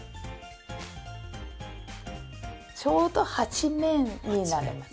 ちょうど８面になります。